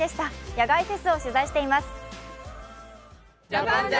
野外フェスを取材しています。